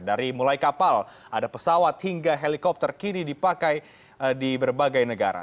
dari mulai kapal ada pesawat hingga helikopter kini dipakai di berbagai negara